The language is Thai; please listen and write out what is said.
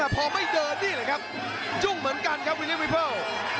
พอไม่เดินนี่แหละครับจุ้งเหมือนกันครับวินิวิเวิล